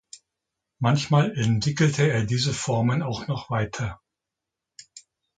Manchmal entwickelte er diese Formen auch noch weiter.